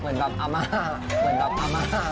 เหมือนแบบอาม่า